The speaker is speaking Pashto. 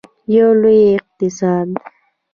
یو لوی اقتصاد.